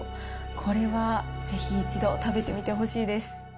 これはぜひ、一度食べてみてほしいです。